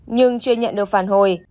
nhưng chưa nhận được phản hồi